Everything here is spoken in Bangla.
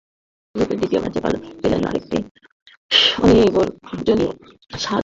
গ্রুপের দ্বিতীয় ম্যাচে পেলেন আরেকটি অনির্বচনীয় স্বাদ, দেশের জার্সি গায়ে শততম ম্যাচ।